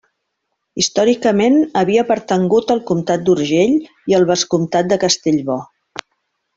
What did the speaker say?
Històricament, havia pertangut al Comtat d'Urgell i al Vescomtat de Castellbò.